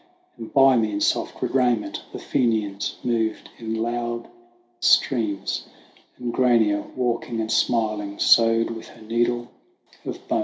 And by me, in soft red raiment, the Fenians moved in loud streams, And Grania, walking and smiling, sewed with her needle of bone.